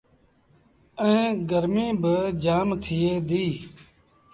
ائيٚݩ گرميٚ با جآم ٿئي ديٚ۔